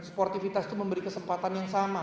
sportivitas itu memberi kesempatan yang sama